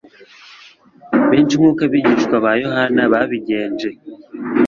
Benshi nk'uko abigishwa ba Yohana babigenje,